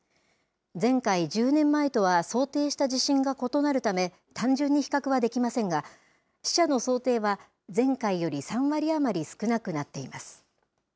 前回・１０年前とは想定した地震が異なるため、単純に比較はできませんが、死者の想定は前回より３割余り少なくなっています。